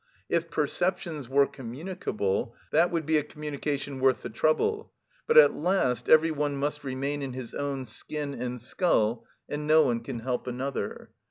If perceptions were communicable, that would be a communication worth the trouble; but at last every one must remain in his own skin and skull, and no one can help another.